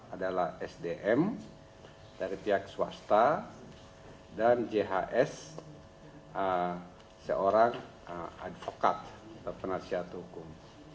adalah sdm dari pihak swasta dan jhs seorang advokat atau penasihat hukum